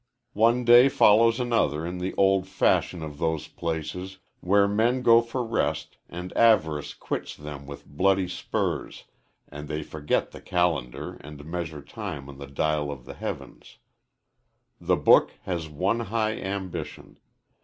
One day follows another in the old fashion of those places where men go for rest and avarice quits them with bloody spurs and they forget the calendar and measure time on the dial of the heavens. The book has one high ambition.